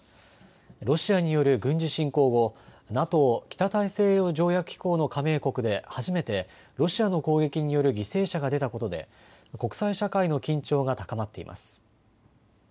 ロシアによる軍事侵攻後、ＮＡＴＯ・北大西洋条約機構の加盟国で初めてロシアの攻撃による犠牲者が出たことで国際社会の緊張が高まっています。